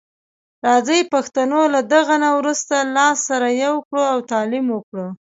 راځي پښتنو له دغه نه وروسته لاس سره یو کړو او تعلیم وکړو.